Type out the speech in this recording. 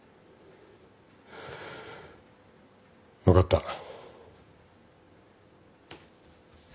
分かった。